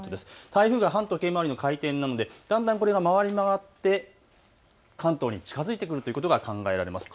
台風は反時計回りの回転なのでだんだんこれが回り回って関東に近づいてくるということが考えられます。